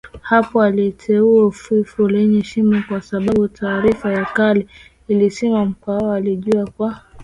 Hapo aliteua fuvu lenye shimo kwa sababu taarifa ya kale ilisema Mkwawa alijiua kwa